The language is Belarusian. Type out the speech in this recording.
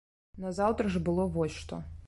Назаўтра ж было вось што.